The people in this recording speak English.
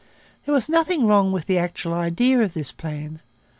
There was nothing wrong with the actual idea of this plan.